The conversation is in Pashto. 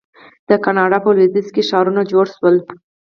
د کاناډا په لویدیځ کې ښارونه جوړ شول.